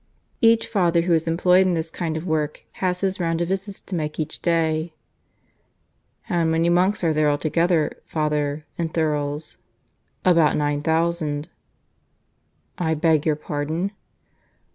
Each Father who is employed in this kind of work has his round of visits to make each day." "How many monks are there altogether, Father, in Thurles?" "About nine thousand." ".. I beg your pardon?"